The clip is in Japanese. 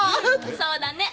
そうだね。